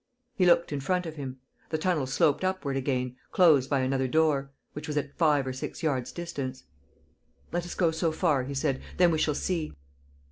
He looked in front of him. The tunnel sloped upward again, closed by another door, which was at five or six yards' distance. "Let us go so far," he said. "Then we shall see."